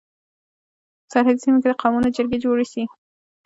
په سرحدي سيمو کي د قومونو جرګي جوړي سي.